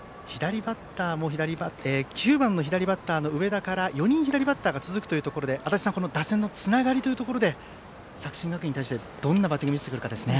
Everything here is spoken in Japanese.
９番の左バッターの上田から４人、左バッターが続くということで足達さん、打線のつながりというところで作新学院に対してどんなバッティングを見せてくるかですね。